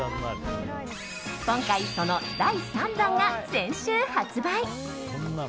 今回、その第３弾が先週発売。